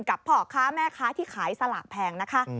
พ่อค้าแม่ค้าที่ขายสลากแพงนะคะ